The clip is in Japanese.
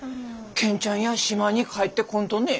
健ちゃんや島に帰ってこんとね？